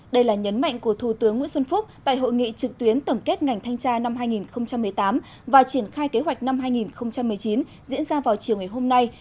đây là nhấn mạnh của thủ tướng nguyễn xuân phúc tại hội nghị trực tuyến tổng kết ngành thanh tra năm hai nghìn một mươi tám và triển khai kế hoạch năm hai nghìn một mươi chín diễn ra vào chiều ngày hôm nay